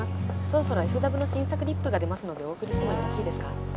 そろそろＦＷの新作リップが出ますのでお送りしてもよろしいですか？